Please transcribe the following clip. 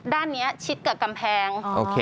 ด้านนี้ชิดกับกำแพง